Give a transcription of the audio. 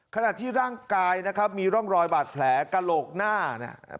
ขณะที่ร่างกายนะครับมีร่องรอยบาดแผลกระโหลกหน้าเนี่ย